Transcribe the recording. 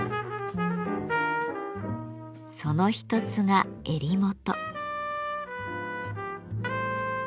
その一つが襟元。